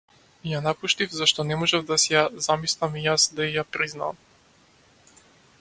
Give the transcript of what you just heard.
Ја напуштив зашто не можев да си замислам и јас да и признаам.